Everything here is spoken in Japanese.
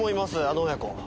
あの親子。